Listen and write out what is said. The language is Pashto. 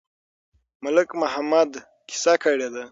ملک محمد قصه کړې ده.